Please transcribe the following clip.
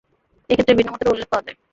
এ ক্ষেত্রে ভিন্ন মতেরও উল্লেখ পাওয়া যায়।